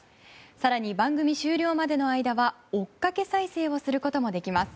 更に番組終了までの間は追っかけ再生もできます。